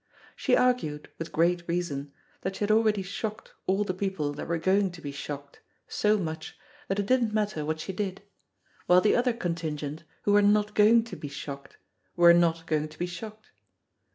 She argued, with great reason, that she had already shocked all the people that were going to be shocked, so much that it didn't matter what she did; while the other contingent, who were not going to be shocked, were not going to be shocked.